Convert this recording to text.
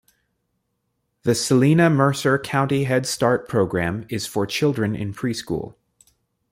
The Celina-Mercer County Head Start Program is for children in Pre-School.